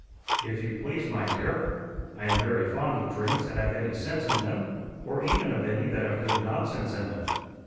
"If you please, my dear. I am very fond of dreams that have any sense in them or even of any that have good nonsense in them.